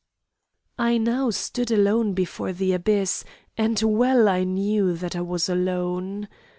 "I now stood alone before the abyss, and well I knew that I was alone.